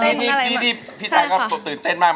เดี๋ยวจะมีอีกหลายเพลงนะครับ